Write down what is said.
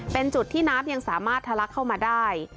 เป็นจุดที่น้ำยังสามารถทะลักเข้ามาได้